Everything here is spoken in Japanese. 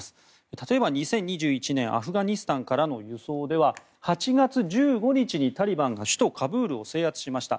例えば２０２１年アフガニスタンからの輸送では８月１５日にタリバンが首都カブールを制圧しました。